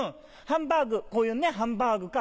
ハンバーグこういうハンバーグか